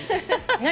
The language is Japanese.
何？